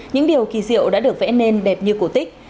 những điều kỳ diệu đã được vẽ nên đẹp như cổ tích